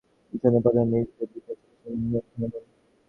নির্জন পথের ধারে নীচের দিকে চলেছে ঘন বন।